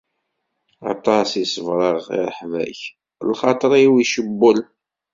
Aṭas i ṣebreɣ i rrehba-k, lxaṭer-iw icewwel.